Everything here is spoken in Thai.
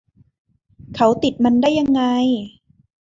เขาติดมันได้ยังไง